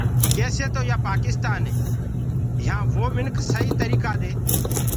ڪيسي تو يآ پآڪستآني يهآنٚ وو منک سئيٚ تريٚڪآ دي